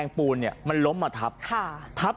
โอ้โหพังเรียบเป็นหน้ากล่องเลยนะครับ